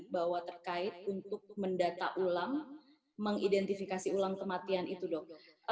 bahwa terkait untuk mendata ulang mengidentifikasi ulang kematian itu dok